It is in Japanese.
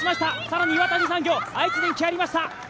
更に岩谷産業、愛知電機、入りました。